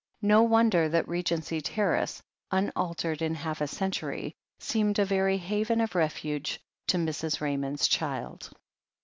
No wonder that Regency Terrace, unaltered in half a century, seemed a very haven of refuge to Mrs. Raymond's child.